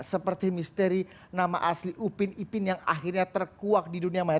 seperti misteri nama asli upin upin yang akhirnya terkuak di dunia maya